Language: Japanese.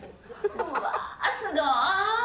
うわあ、すごい！